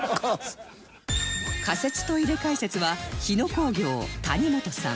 仮設トイレ解説は日野興業谷本さん